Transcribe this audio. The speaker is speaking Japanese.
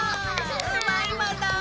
うまいまだ！